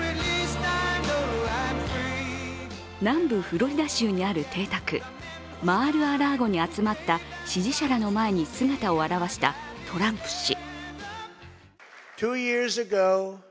南部フロリダ州にある邸宅、マール・ア・ラーゴに集まった支持者らの前に姿を現したトランプ氏。